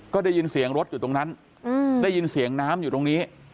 ก็ได้ยินเสียงรถอยู่ตรงนั้นได้ยินเสียงน้ำอยู่ตรงนี้